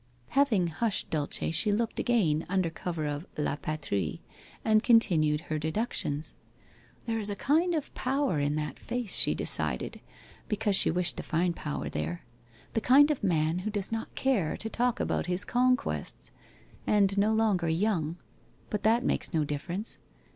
Having bushed Dulce, she looked again, under cover of La Patrie and continued her deductions. * There is a kind of power in that face,' she decided, because she wished to find power there. 'The kind of man who does not care to talk about his conquests. And no longer young. But that makes no difference.